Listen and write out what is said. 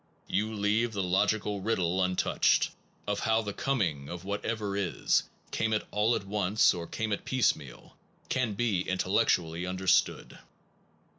You leave the logical riddle untouched, of how the coming of whatever is, came it all at once, or came it piecemeal, can be intellectually under stood.